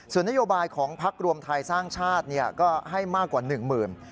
ส่วนนโยบายของพักรวมไทยสร้างชาติก็ให้มากกว่า๑หมื่น